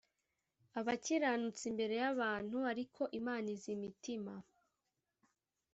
abakiranutsi imbere y abantu ariko imana izi imitima